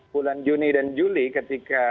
bulan juni dan juli ketika